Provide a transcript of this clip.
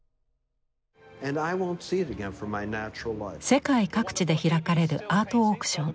世界各地で開かれるアートオークション。